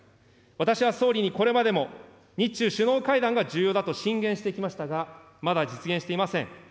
私は総理にこれまでも、日中首脳会談が重要だと進言してきましたが、まだ実現していません。